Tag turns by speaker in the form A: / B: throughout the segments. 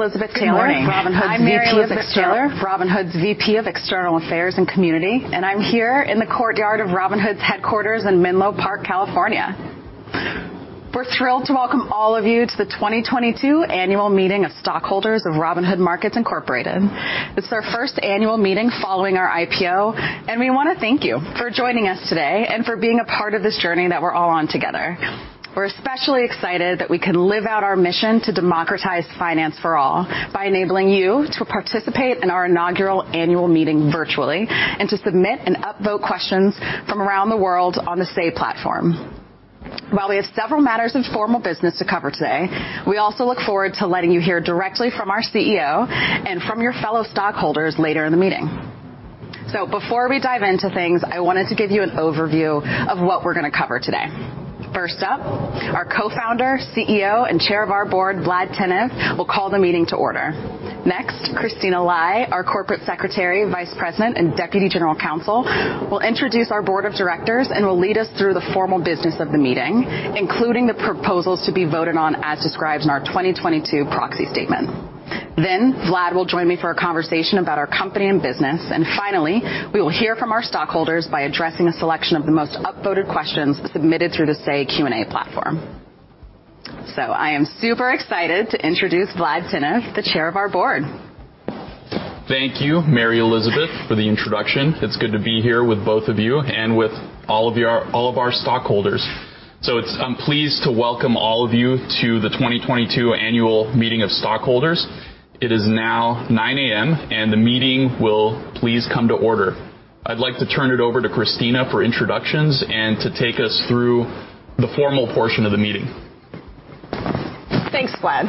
A: Elizabeth Taylor Good morning. I'm Mary Elizabeth Taylor. Robinhood's VP of External Affairs and Community, and I'm here in the courtyard of Robinhood's headquarters in Menlo Park, California. We're thrilled to welcome all of you to the 2022 annual meeting of stockholders of Robinhood Markets, Inc. It's our first annual meeting following our IPO, and we wanna thank you for joining us today and for being a part of this journey that we're all on together. We're especially excited that we can live out our mission to democratize finance for all by enabling you to participate in our inaugural annual meeting virtually and to submit and upvote questions from around the world on the Say platform. While we have several matters of formal business to cover today, we also look forward to letting you hear directly from our CEO and from your fellow stockholders later in the meeting. Before we dive into things, I wanted to give you an overview of what we're gonna cover today. First up, our Co-Founder, CEO, and Chair of our Board, Vlad Tenev, will call the meeting to order. Next, Christina Lai, our Corporate Secretary, Vice President, and Deputy General Counsel will introduce our Board of Directors and will lead us through the formal business of the meeting, including the proposals to be voted on as described in our 2022 proxy statement. Then Vlad will join me for a conversation about our company and business. Finally, we will hear from our stockholders by addressing a selection of the most upvoted questions submitted through the Say Q&A platform. I am super excited to introduce Vlad Tenev, the Chair of our Board.
B: Thank you, Mary Elizabeth, for the introduction. It's good to be here with both of you and with all of our stockholders. I'm pleased to welcome all of you to the 2022 annual meeting of stockholders. It is now 9:00 A.M., and the meeting will please come to order. I'd like to turn it over to Christina for introductions and to take us through the formal portion of the meeting.
C: Thanks, Vlad.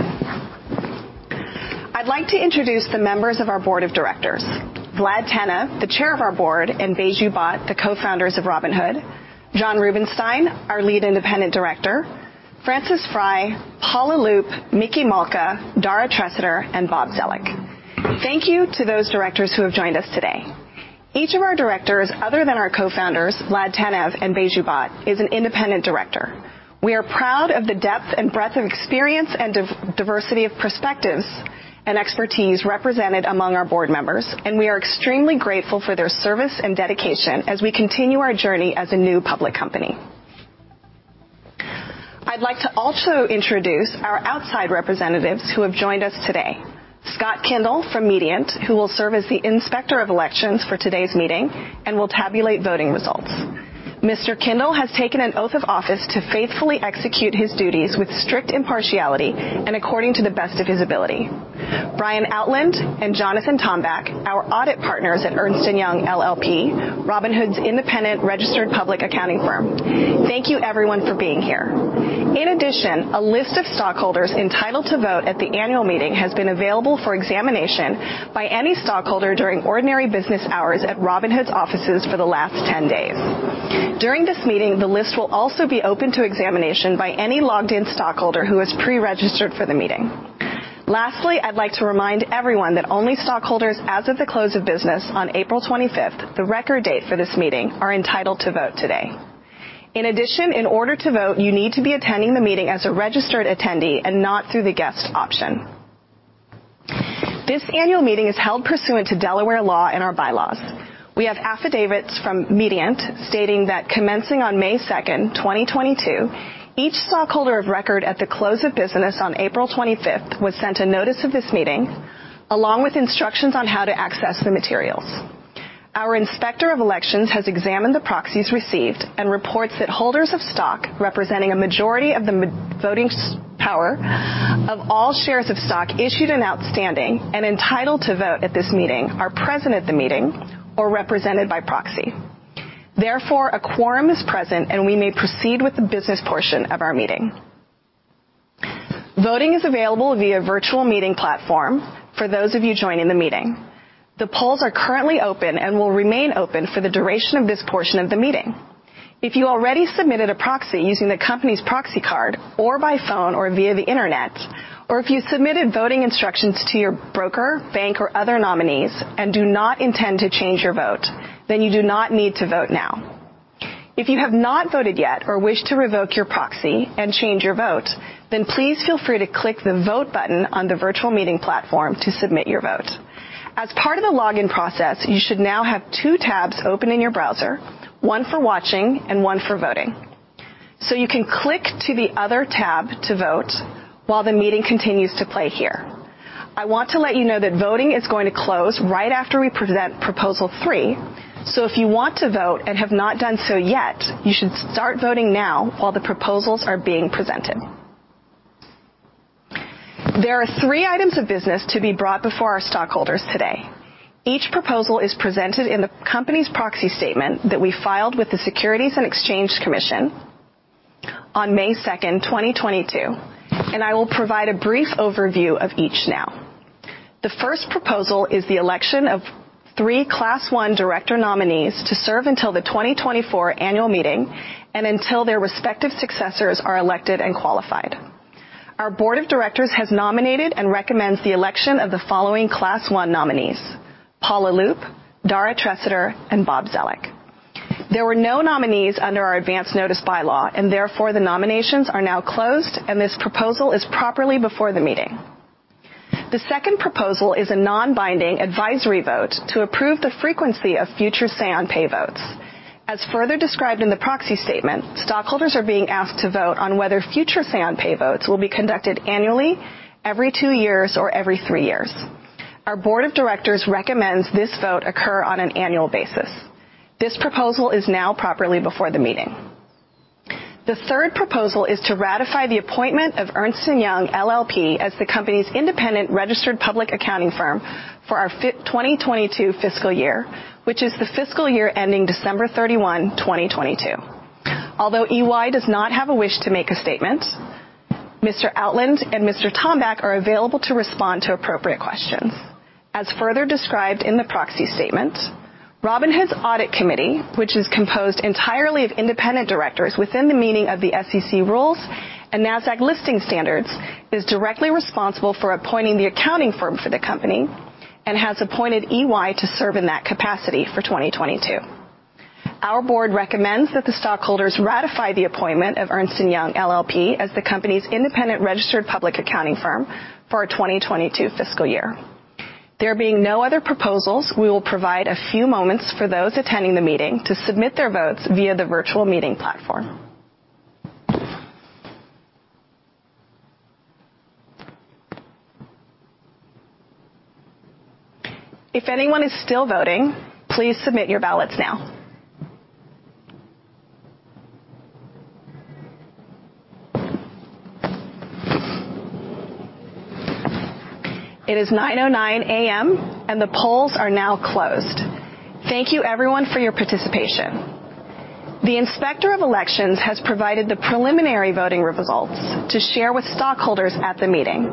C: I'd like to introduce the members of our board of directors. Vlad Tenev, the Chair of our Board, and Baiju Bhatt, the Co-Founders of Robinhood, Jon Rubinstein, our Lead Independent Director, Frances Frei, Paula Loop, Micky Malka, Dara Treseder, and Robert Zoellick. Thank you to those Directors who have joined us today. Each of our Directors, other than our Co-Founders, Vlad Tenev and Baiju Bhatt, is an Independent Director. We are proud of the depth and breadth of experience and diversity of perspectives and expertise represented among our board members, and we are extremely grateful for their service and dedication as we continue our journey as a new public company. I'd like to also introduce our outside representatives who have joined us today. Scott Kindle from Mediant, who will serve as the inspector of elections for today's meeting and will tabulate voting results. Mr. Kindle has taken an oath of office to faithfully execute his duties with strict impartiality and according to the best of his ability. Brian Outland and Jonathan Tomback, our audit partners at Ernst & Young LLP, Robinhood's independent registered public accounting firm. Thank you everyone for being here. In addition, a list of stockholders entitled to vote at the annual meeting has been available for examination by any stockholder during ordinary business hours at Robinhood's offices for the last 10 days. During this meeting, the list will also be open to examination by any logged in stockholder who has pre-registered for the meeting. Lastly, I'd like to remind everyone that only stockholders as of the close of business on April 25th, the record date for this meeting, are entitled to vote today. In addition, in order to vote, you need to be attending the meeting as a registered attendee and not through the guest option. This annual meeting is held pursuant to Delaware law and our Bylaws. We have affidavits from Mediant stating that commencing on May 2nd, 2022, each stockholder of record at the close of business on April 25th was sent a notice of this meeting, along with instructions on how to access the materials. Our inspector of elections has examined the proxies received and reports that holders of stock representing a majority of the voting power of all shares of stock issued and outstanding and entitled to vote at this meeting are present at the meeting or represented by proxy. Therefore, a quorum is present, and we may proceed with the business portion of our meeting. Voting is available via virtual meeting platform for those of you joining the meeting. The polls are currently open and will remain open for the duration of this portion of the meeting. If you already submitted a proxy using the company's proxy card or by phone or via the Internet, or if you submitted voting instructions to your broker, bank, or other nominees and do not intend to change your vote, then you do not need to vote now. If you have not voted yet or wish to revoke your proxy and change your vote, then please feel free to click the Vote button on the virtual meeting platform to submit your vote. As part of the login process, you should now have two tabs open in your browser, one for watching and one for voting. You can click to the other tab to vote while the meeting continues to play here. I want to let you know that voting is going to close right after we present Proposal 3. If you want to vote and have not done so yet, you should start voting now while the proposals are being presented. There are three items of business to be brought before our stockholders today. Each proposal is presented in the company's proxy statement that we filed with the Securities and Exchange Commission on May 2nd, 2022, and I will provide a brief overview of each now. The first proposal is the election of three Class I Director nominees to serve until the 2024 annual meeting and until their respective successors are elected and qualified. Our Board of Directors has nominated and recommends the election of the following Class I nominees: Paula Loop, Dara Treseder, and Robert Zoellick. There were no nominees under our advance notice bylaw, and therefore, the nominations are now closed, and this proposal is properly before the meeting. The second proposal is a non-binding advisory vote to approve the frequency of future say-on-pay votes. As further described in the proxy statement, stockholders are being asked to vote on whether future say-on-pay votes will be conducted annually, every two years, or every three years. Our Board of Directors recommends this vote occur on an annual basis. This proposal is now properly before the meeting. The third proposal is to ratify the appointment of Ernst & Young LLP as the company's independent registered public accounting firm for our fifth 2022 fiscal year, which is the fiscal year ending December 31, 2022. Although EY does not have a wish to make a statement, Mr. Outland and Mr. Tomback are available to respond to appropriate questions. As further described in the proxy statement, Robinhood's audit committee, which is composed entirely of independent directors within the meaning of the SEC rules and Nasdaq listing standards, is directly responsible for appointing the accounting firm for the company and has appointed EY to serve in that capacity for 2022. Our board recommends that the stockholders ratify the appointment of Ernst & Young LLP as the company's independent registered public accounting firm for our 2022 fiscal year. There being no other proposals, we will provide a few moments for those attending the meeting to submit their votes via the virtual meeting platform. If anyone is still voting, please submit your ballots now. It is 9:09 A.M., and the polls are now closed. Thank you, everyone, for your participation. The Inspector of Elections has provided the preliminary voting results to share with stockholders at the meeting.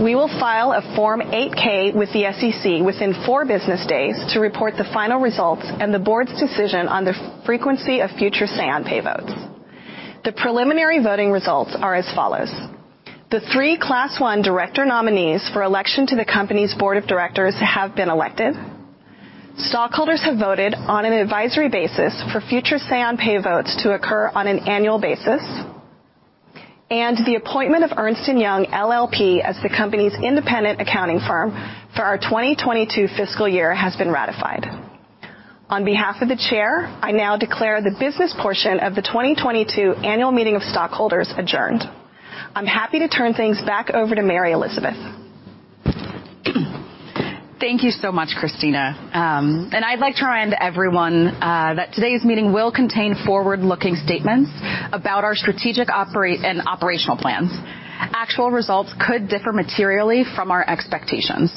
C: We will file a Form 8-K with the SEC within four business days to report the final results and the board's decision on the frequency of future say-on-pay votes. The preliminary voting results are as follows. The three Class I Director nominees for election to the company's Board of Directors have been elected. Stockholders have voted on an advisory basis for future say-on-pay votes to occur on an annual basis. The appointment of Ernst & Young LLP as the company's independent accounting firm for our 2022 fiscal year has been ratified. On behalf of the Chair, I now declare the business portion of the 2022 annual meeting of stockholders adjourned. I'm happy to turn things back over to Mary Elizabeth.
A: Thank you so much, Christina. I'd like to remind everyone that today's meeting will contain forward-looking statements about our strategic and operational plans. Actual results could differ materially from our expectations.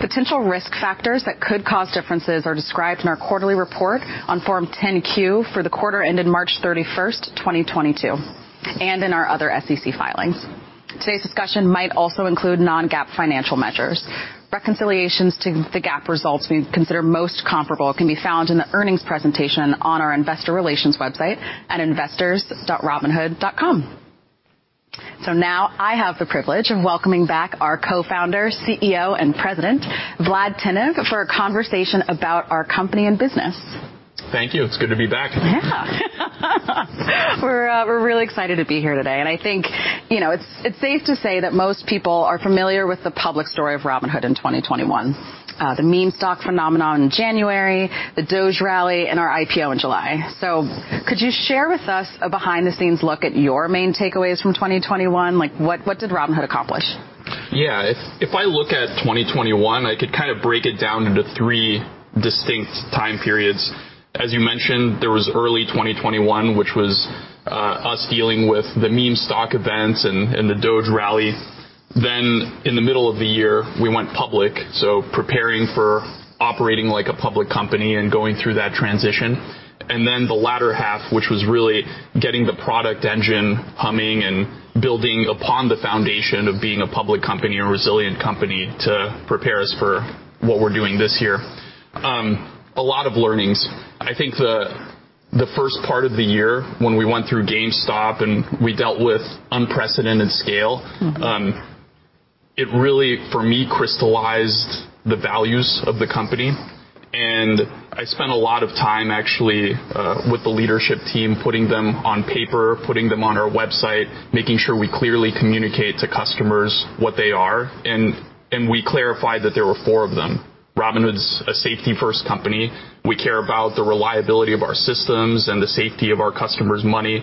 A: Potential risk factors that could cause differences are described in our quarterly report on Form 10-Q for the quarter ended March 31st, 2022, and in our other SEC filings. Today's discussion might also include non-GAAP financial measures. Reconciliations to the GAAP results we consider most comparable can be found in the earnings presentation on our investor relations website at investors.robinhood.com. Now I have the privilege of welcoming back our Co-Founder, CEO, and President, Vlad Tenev, for a conversation about our company and business.
B: Thank you. It's good to be back.
A: Yeah. We're really excited to be here today. I think, you know, it's safe to say that most people are familiar with the public story of Robinhood in 2021, the meme stock phenomenon in January, the DOGE rally, and our IPO in July. Could you share with us a behind-the-scenes look at your main takeaways from 2021? Like, what did Robinhood accomplish?
B: Yeah. If I look at 2021, I could kind of break it down into three distinct time periods. As you mentioned, there was early 2021, which was us dealing with the meme stock events and the DOGE rally. Then in the middle of the year, we went public, so preparing for operating like a public company and going through that transition. The latter half, which was really getting the product engine humming and building upon the foundation of being a public company and resilient company to prepare us for what we're doing this year. A lot of learnings. I think the first part of the year when we went through GameStop, and we dealt with unprecedented scale.
A: Mm-hmm.
B: It really, for me, crystallized the values of the company. I spent a lot of time actually with the leadership team, putting them on paper, putting them on our website, making sure we clearly communicate to customers what they are, and we clarified that there were four of them. Robinhood's a safety-first company. We care about the reliability of our systems and the safety of our customers' money.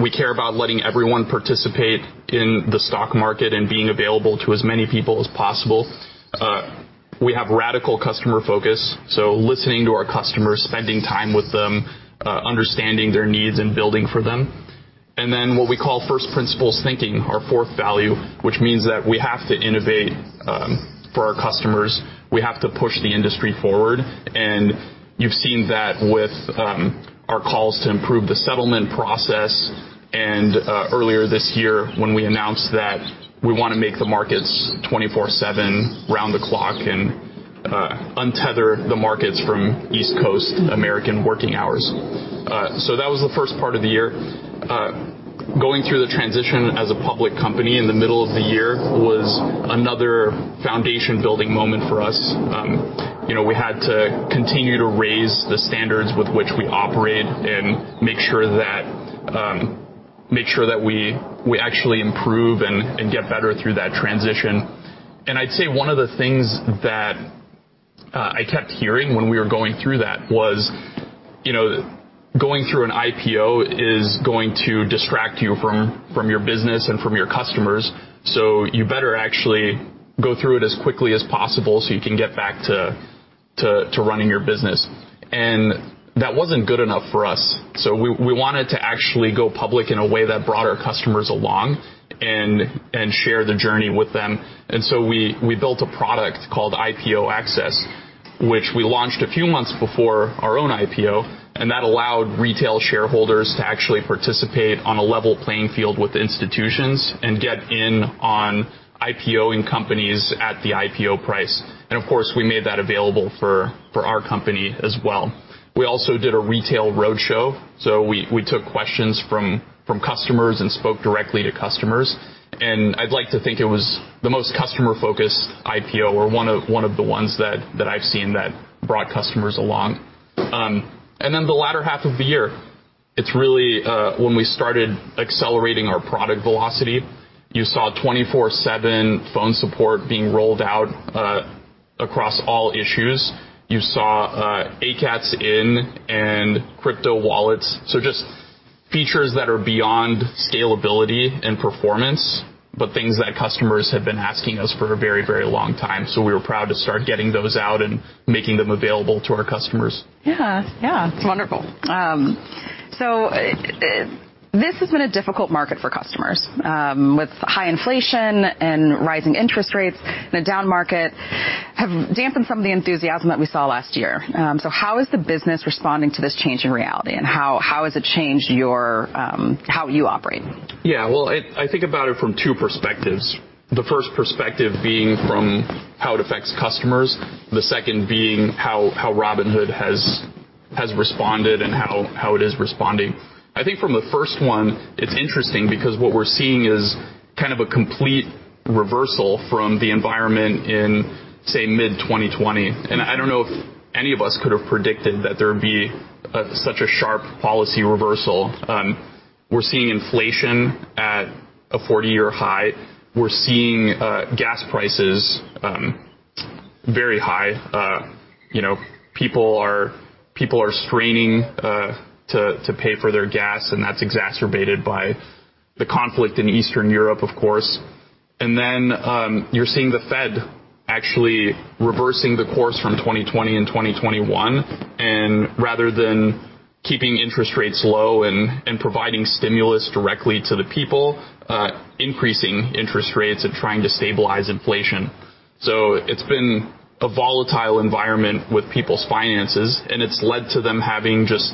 B: We care about letting everyone participate in the stock market and being available to as many people as possible. We have radical customer focus, so listening to our customers, spending time with them, understanding their needs, and building for them. Then what we call first principles thinking, our fourth value, which means that we have to innovate for our customers. We have to push the industry forward, and you've seen that with our calls to improve the settlement process and earlier this year when we announced that we wanna make the markets 24/7 around the clock and untether the markets from East Coast American working hours. That was the first part of the year. Going through the transition as a public company in the middle of the year was another foundation-building moment for us. You know, we had to continue to raise the standards with which we operate and make sure that we actually improve and get better through that transition. I'd say one of the things that I kept hearing when we were going through that was, you know, going through an IPO is going to distract you from your business and from your customers, so you better actually go through it as quickly as possible so you can get back to running your business. That wasn't good enough for us. We wanted to actually go public in a way that brought our customers along and share the journey with them. We built a product called IPO Access, which we launched a few months before our own IPO, and that allowed retail shareholders to actually participate on a level playing field with institutions and get in on IPO companies at the IPO price. Of course, we made that available for our company as well. We also did a retail roadshow, so we took questions from customers and spoke directly to customers. I'd like to think it was the most customer-focused IPO or one of the ones that I've seen that brought customers along. The latter half of the year, it's really when we started accelerating our product velocity. You saw 24/7 phone support being rolled out across all issues. You saw ACATS in and crypto wallets, so just features that are beyond scalability and performance, but things that customers had been asking us for a very, very long time, so we were proud to start getting those out and making them available to our customers.
A: Yeah. Yeah. Wonderful. This has been a difficult market for customers. With high inflation and rising interest rates and a down market have dampened some of the enthusiasm that we saw last year. How is the business responding to this change in reality, and how has it changed your how you operate?
B: Yeah. Well, I think about it from two perspectives. The first perspective being from how it affects customers, the second being how Robinhood has responded and how it is responding. I think from the first one, it's interesting because what we're seeing is kind of a complete reversal from the environment in, say, mid-2020. I don't know if any of us could have predicted that there'd be such a sharp policy reversal. We're seeing inflation at a 40-year high. We're seeing gas prices very high. You know, people are straining to pay for their gas, and that's exacerbated by the conflict in Eastern Europe, of course. You're seeing the Fed actually reversing the course from 2020 and 2021, and rather than keeping interest rates low and providing stimulus directly to the people, increasing interest rates and trying to stabilize inflation. It's been a volatile environment with people's finances, and it's led to them having just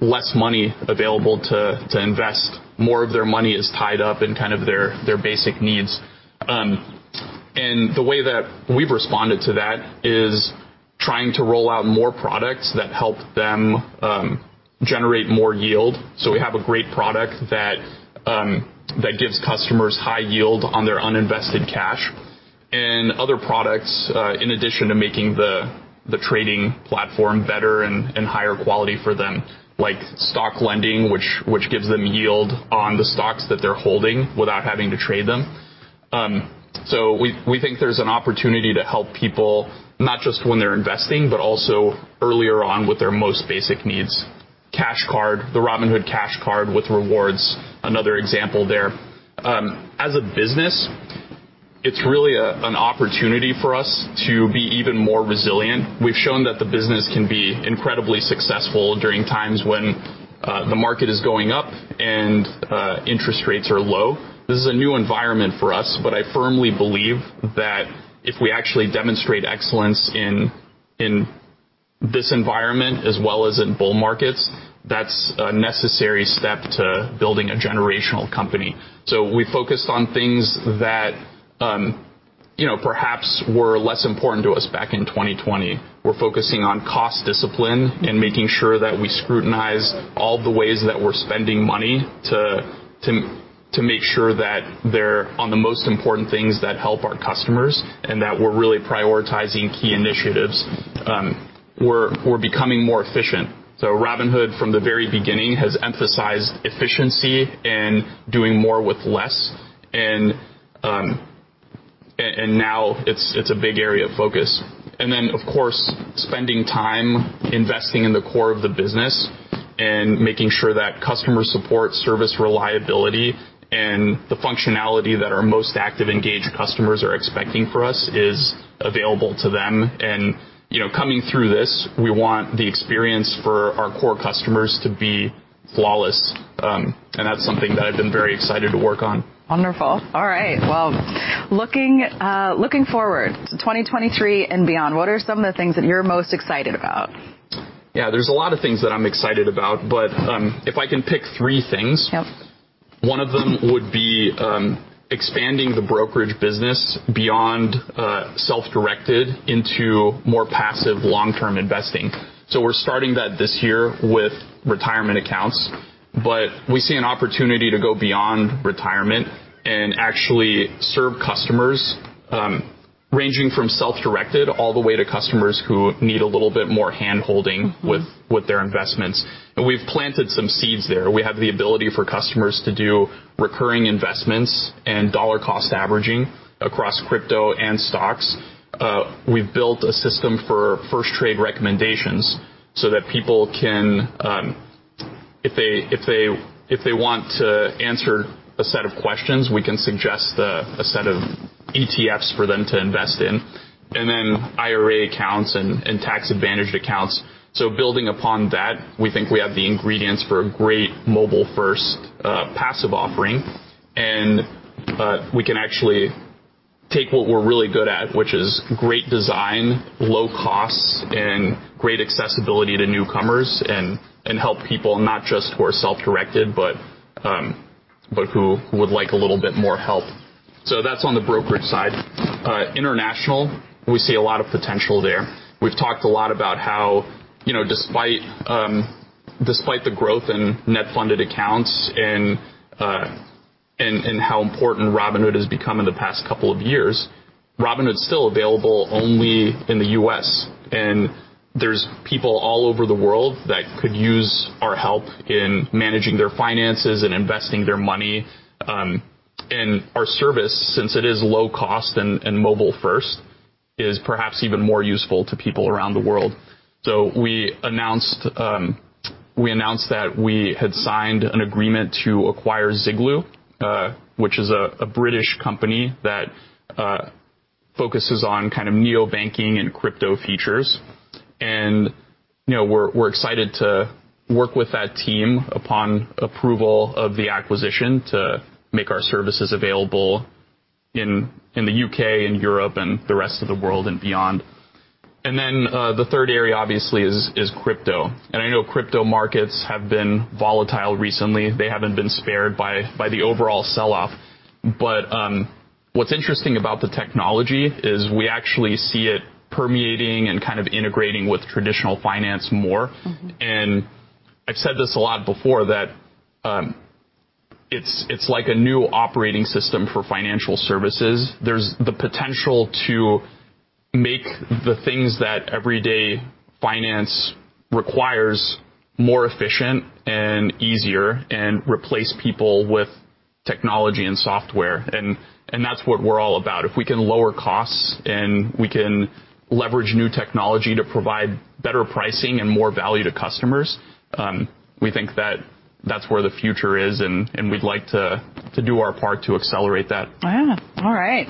B: less money available to invest. More of their money is tied up in kind of their basic needs. The way that we've responded to that is trying to roll out more products that help them generate more yield. We have a great product that gives customers high yield on their uninvested cash and other products in addition to making the trading platform better and higher quality for them, like Stock Lending, which gives them yield on the stocks that they're holding without having to trade them. We think there's an opportunity to help people not just when they're investing, but also earlier on with their most basic needs. Cash Card, the Robinhood Cash Card with rewards, another example there. As a business, it's really an opportunity for us to be even more resilient. We've shown that the business can be incredibly successful during times when the market is going up and interest rates are low. This is a new environment for us, but I firmly believe that if we actually demonstrate excellence in this environment as well as in bull markets, that's a necessary step to building a generational company. We focused on things that, you know, perhaps were less important to us back in 2020. We're focusing on cost discipline and making sure that we scrutinize all the ways that we're spending money to make sure that they're on the most important things that help our customers and that we're really prioritizing key initiatives. We're becoming more efficient. Robinhood, from the very beginning, has emphasized efficiency and doing more with less. Now it's a big area of focus. Of course, spending time investing in the core of the business and making sure that customer support, service reliability, and the functionality that our most active, engaged customers are expecting for us is available to them. You know, coming through this, we want the experience for our core customers to be flawless. That's something that I've been very excited to work on.
A: Wonderful. All right. Well, looking forward to 2023 and beyond, what are some of the things that you're most excited about?
B: Yeah, there's a lot of things that I'm excited about, but if I can pick three things.
A: Yep
B: One of them would be expanding the brokerage business beyond self-directed into more passive long-term investing. We're starting that this year with retirement accounts, but we see an opportunity to go beyond retirement and actually serve customers ranging from self-directed all the way to customers who need a little bit more hand-holding with their investments. We've planted some seeds there. We have the ability for customers to do recurring investments and dollar cost averaging across crypto and stocks. We've built a system for first trade recommendations so that people can, if they want to answer a set of questions, we can suggest a set of ETFs for them to invest in, and then IRA accounts and tax-advantaged accounts. Building upon that, we think we have the ingredients for a great mobile first passive offering. We can actually take what we're really good at, which is great design, low costs, and great accessibility to newcomers and help people not just who are self-directed, but who would like a little bit more help. That's on the brokerage side. International, we see a lot of potential there. We've talked a lot about how, you know, despite the growth in net funded accounts and how important Robinhood has become in the past couple of years, Robinhood's still available only in the U.S. There's people all over the world that could use our help in managing their finances and investing their money. Our service, since it is low cost and mobile first, is perhaps even more useful to people around the world. We announced that we had signed an agreement to acquire Ziglu, which is a British company that focuses on kind of neo banking and crypto features. You know, we're excited to work with that team upon approval of the acquisition to make our services available in the UK and Europe and the rest of the world and beyond. The third area obviously is crypto. I know crypto markets have been volatile recently. They haven't been spared by the overall sell-off. What's interesting about the technology is we actually see it permeating and kind of integrating with traditional finance more.
A: Mm-hmm.
B: I've said this a lot before that, it's like a new operating system for financial services. There's the potential to make the things that everyday finance requires more efficient and easier and replace people with technology and software. That's what we're all about. If we can lower costs and we can leverage new technology to provide better pricing and more value to customers, we think that that's where the future is, and we'd like to do our part to accelerate that.
A: Yeah. All right.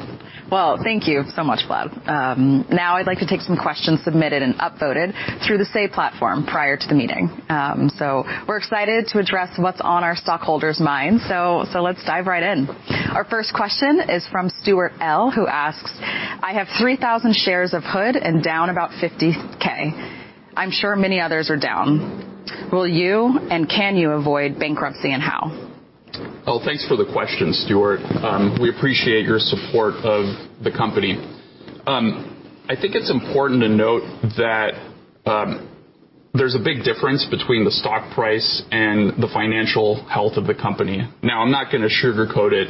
A: Well, thank you so much, Vlad. Now I'd like to take some questions submitted and upvoted through the Say Technologies prior to the meeting. We're excited to address what's on our stockholders' minds. Let's dive right in. Our first question is from Stuart L., who asks, "I have 3,000 shares of HOOD and down about $50,000. I'm sure many others are down. Will you and can you avoid bankruptcy and how?
B: Oh, thanks for the question, Stuart. We appreciate your support of the company. I think it's important to note that there's a big difference between the stock price and the financial health of the company. Now, I'm not gonna sugarcoat it.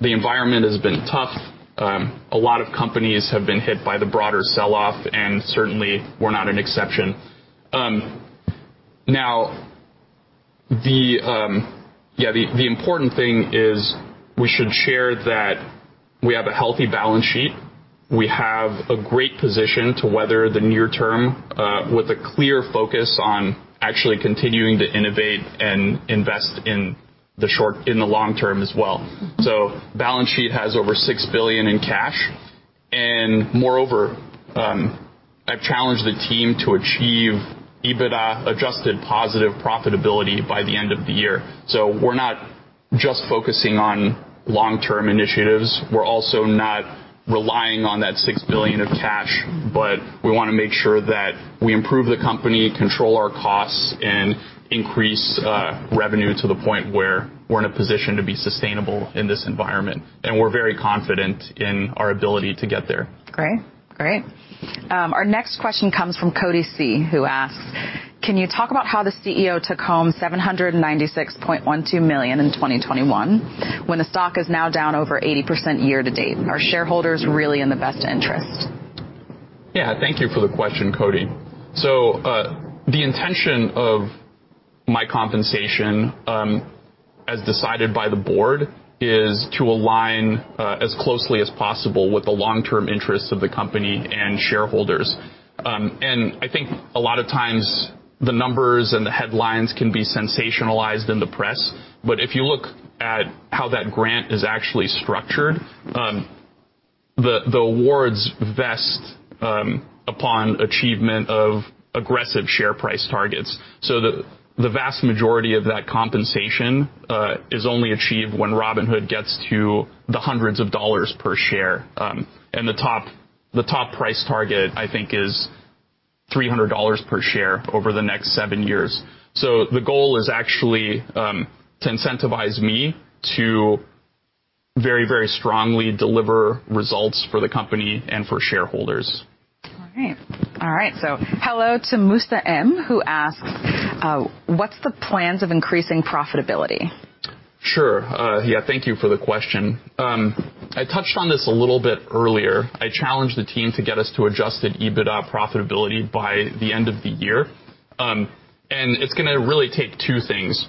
B: The environment has been tough. A lot of companies have been hit by the broader sell-off, and certainly we're not an exception. Now the important thing is we should share that we have a healthy balance sheet. We have a great position to weather the near-term with a clear focus on actually continuing to innovate and invest in the long-term as well.
A: Mm-hmm.
B: Balance sheet has over $6 billion in cash. Moreover, I've challenged the team to achieve EBITDA-adjusted positive profitability by the end of the year. We're not just focusing on long-term initiatives, we're also not relying on that $6 billion of cash, but we wanna make sure that we improve the company, control our costs, and increase revenue to the point where we're in a position to be sustainable in this environment. We're very confident in our ability to get there.
A: Great. Our next question comes from Cody C., who asks, "Can you talk about how the CEO took home $796.12 million in 2021 when the stock is now down over 80% year to date? Are shareholders really in the best interest?
B: Yeah. Thank you for the question, Cody. The intention of my compensation, as decided by the board, is to align as closely as possible with the long-term interests of the company and shareholders. I think a lot of times the numbers and the headlines can be sensationalized in the press. If you look at how that grant is actually structured, the awards vest upon achievement of aggressive share price targets. The vast majority of that compensation is only achieved when Robinhood gets to the $100 per share. The top price target, I think, is $300 per share over the next seven years. The goal is actually to incentivize me to very, very strongly deliver results for the company and for shareholders.
A: All right. Hello to Moosa M., who asks, "What's the plans of increasing profitability?
B: Sure. Yeah, thank you for the question. I touched on this a little bit earlier. I challenged the team to get us to adjusted EBITDA profitability by the end of the year. It's gonna really take two things.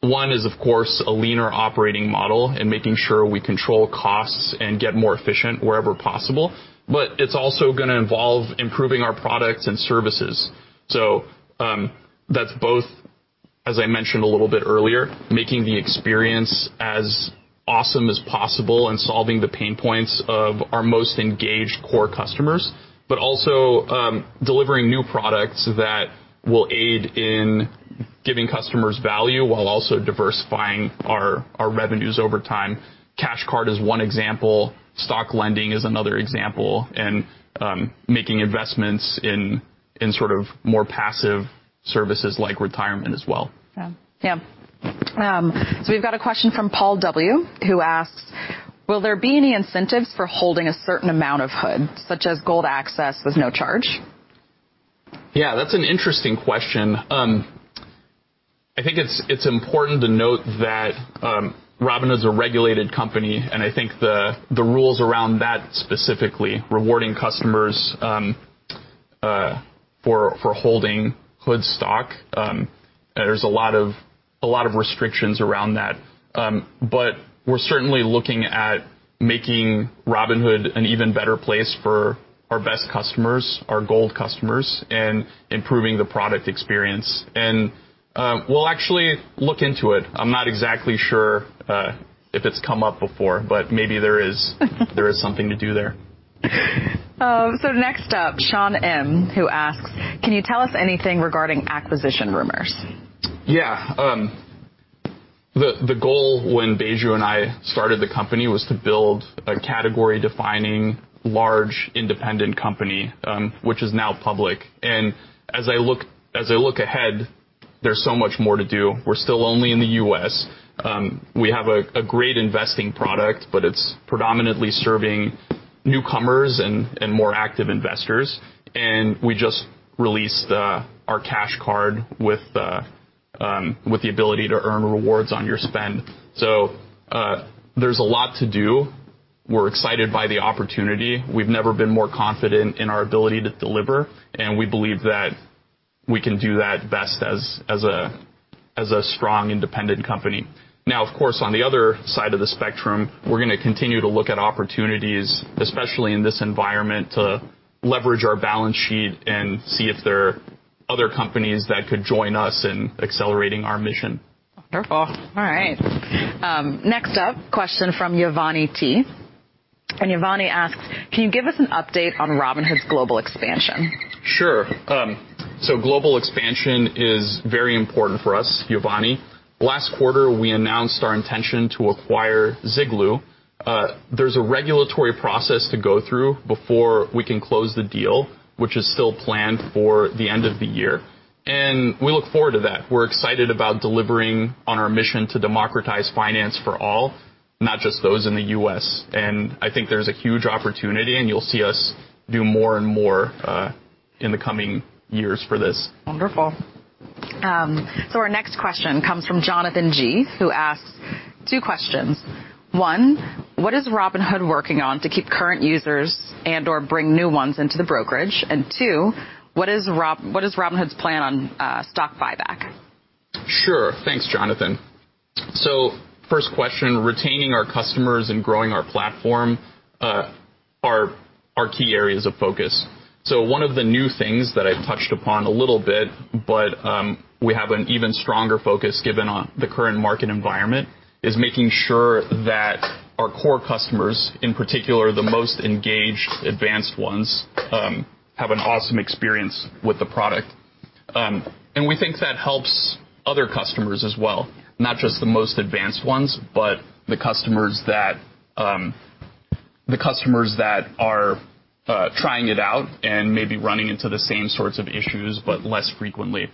B: One is, of course, a leaner operating model and making sure we control costs and get more efficient wherever possible. It's also gonna involve improving our products and services. That's both, as I mentioned a little bit earlier, making the experience as awesome as possible and solving the pain points of our most engaged core customers, but also delivering new products that will aid in giving customers value while also diversifying our revenues over time. Cash Card is one example, Stock Lending is another example, and making investments in sort of more passive services like retirement as well.
A: We've got a question from Paul W. who asks: Will there be any incentives for holding a certain amount of HOOD, such as Gold access with no charge?
B: Yeah, that's an interesting question. I think it's important to note that Robinhood is a regulated company, and I think the rules around that specifically, rewarding customers, for holding HOOD stock, there's a lot of restrictions around that. But we're certainly looking at making Robinhood an even better place for our best customers, our Gold customers, and improving the product experience. We'll actually look into it. I'm not exactly sure if it's come up before, but maybe there is something to do there.
A: Next up, Sean M. Who asks: Can you tell us anything regarding acquisition rumors?
B: Yeah. The goal when Baiju and I started the company was to build a category defining large independent company, which is now public. As I look ahead, there's so much more to do. We're still only in the U.S., we have a great investing product, but it's predominantly serving newcomers and more active investors, and we just released our Cash Card with the ability to earn rewards on your spend. There's a lot to do. We're excited by the opportunity. We've never been more confident in our ability to deliver, and we believe that we can do that best as a strong independent company. Now, of course, on the other side of the spectrum, we're gonna continue to look at opportunities, especially in this environment, to leverage our balance sheet and see if there are other companies that could join us in accelerating our mission.
A: Wonderful. All right. Next up, question from Giovany T. Giovany asks: Can you give us an update on Robinhood's global expansion?
B: Sure. Global expansion is very important for us, Giovany. Last quarter, we announced our intention to acquire Ziglu. There's a regulatory process to go through before we can close the deal, which is still planned for the end of the year. We look forward to that. We're excited about delivering on our mission to democratize finance for all, not just those in the U.S., and I think there's a huge opportunity, and you'll see us do more and more in the coming years for this.
A: Wonderful. Our next question comes from Jonathan G., who asks two questions. One, what is Robinhood working on to keep current users and/or bring new ones into the brokerage? Two, what is Robinhood's plan on stock buyback?
B: Sure. Thanks, Jonathan. First question, retaining our customers and growing our platform are key areas of focus. One of the new things that I touched upon a little bit, but we have an even stronger focus given the current market environment, is making sure that our core customers, in particular, the most engaged advanced ones, have an awesome experience with the product. And we think that helps other customers as well, not just the most advanced ones, but the customers that are trying it out and maybe running into the same sorts of issues, but less frequently.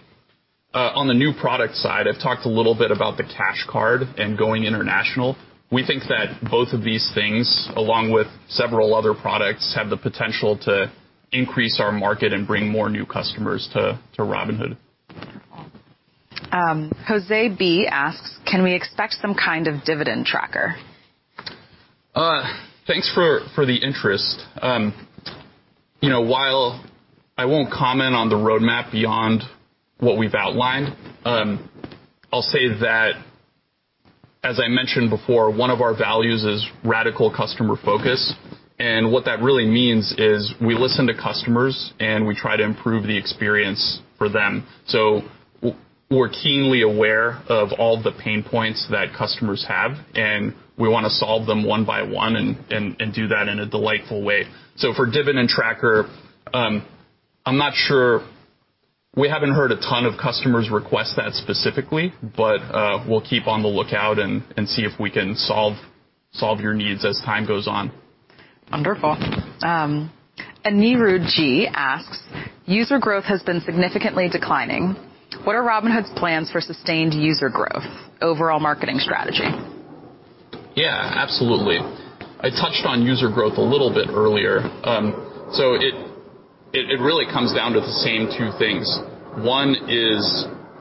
B: On the new product side, I've talked a little bit about the Cash Card and going international. We think that both of these things, along with several other products, have the potential to increase our market and bring more new customers to Robinhood.
A: Jose B. asks: Can we expect some kind of dividend tracker?
B: Thanks for the interest. You know, while I won't comment on the roadmap beyond what we've outlined, I'll say that, as I mentioned before, one of our values is radical customer focus, and what that really means is we listen to customers, and we try to improve the experience for them. We're keenly aware of all the pain points that customers have, and we wanna solve them one by one and do that in a delightful way. For dividend tracker, I'm not sure. We haven't heard a ton of customers request that specifically, but we'll keep on the lookout and see if we can solve your needs as time goes on.
A: Wonderful. Anirudh G. asks: User growth has been significantly declining. What are Robinhood's plans for sustained user growth? Overall marketing strategy?
B: Yeah, absolutely. I touched on user growth a little bit earlier. It really comes down to the same two things. One is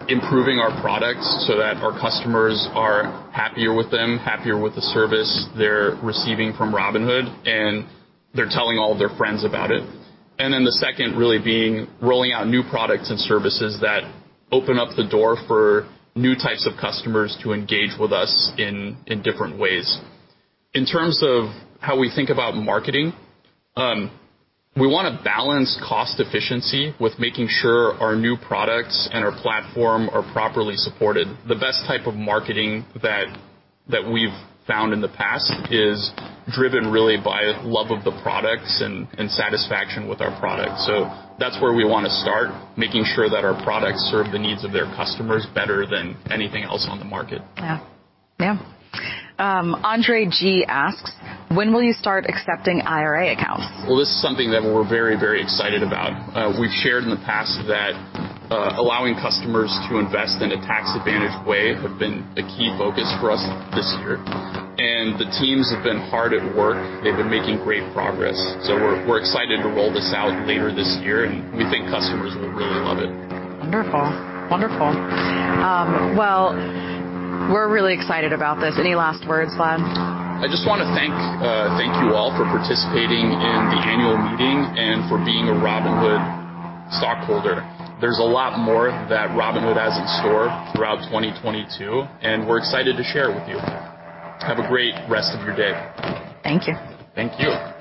B: improving our products so that our customers are happier with them, happier with the service they're receiving from Robinhood, and they're telling all their friends about it. The second really being rolling out new products and services that open up the door for new types of customers to engage with us in different ways. In terms of how we think about marketing, we wanna balance cost efficiency with making sure our new products and our platform are properly supported. The best type of marketing that we've found in the past is driven really by love of the products and satisfaction with our products. That's where we wanna start, making sure that our products serve the needs of their customers better than anything else on the market.
A: Yeah. Andre G. asks: When will you start accepting IRA accounts?
B: Well, this is something that we're very, very excited about. We've shared in the past that allowing customers to invest in a tax-advantaged way have been a key focus for us this year. The teams have been hard at work. They've been making great progress. We're excited to roll this out later this year, and we think customers will really love it.
A: Wonderful. Well, we're really excited about this. Any last words, Vlad?
B: I just wanna thank you all for participating in the annual meeting and for being a Robinhood stockholder. There's a lot more that Robinhood has in store throughout 2022, and we're excited to share it with you. Have a great rest of your day.
A: Thank you.
B: Thank you.